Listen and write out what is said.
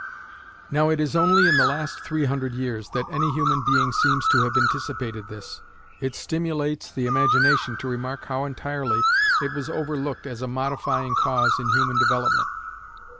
Now it is only in the last three hundred years that any human being seems to have anticipated this. It stimulates the imagination to remark how entirely it was overlooked as a modifying cause in human development.